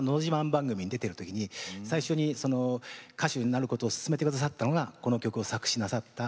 番組に出ているとき最初に歌手になることをすすめてくださったのがこの曲を作詞なさった